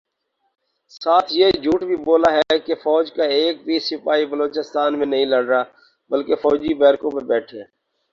ساتھ یہ جھوٹ بھی بولا ہے کہ فوج کا ایک بھی سپاہی بلوچستان میں نہیں لڑ رہا بلکہ فوجی بیرکوں میں بیٹھے ہیں